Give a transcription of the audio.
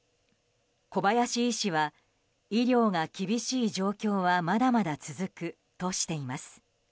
小林医師は医療が厳しい状況はまだまだ続くとしています。